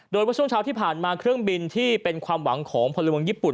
โดยเมื่อช่วงเช้าที่ผ่านมาเครื่องบินที่เป็นความหวังของพลเมืองญี่ปุ่น